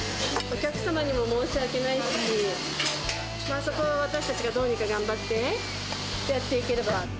お客様にも申し訳ないし、そこは私たちがどうにか頑張ってね、やっていければ。